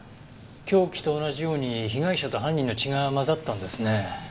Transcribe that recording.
凶器と同じように被害者と犯人の血が混ざったんですねえ。